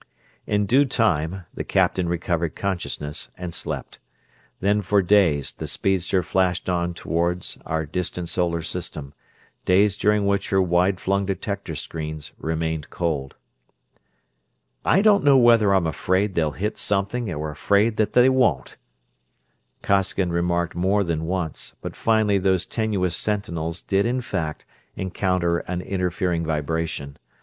In due time the captain recovered consciousness, and slept. Then for days the speedster flashed on toward our distant solar system; days during which her wide flung detector screens remained cold. "I don't know whether I'm afraid they'll hit something or afraid that they won't," Costigan remarked more than once, but finally those tenuous sentinels did in fact encounter an interfering vibration.